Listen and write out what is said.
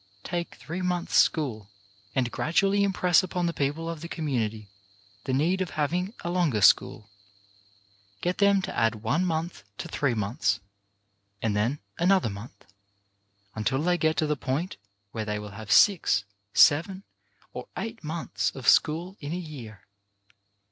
Take a three months school, and gradually im press upon the people of the community the need of having a longer school. Get them to add one month to three months, and then another month, until they get to the point where they will have six, seven or eight months of school in a year.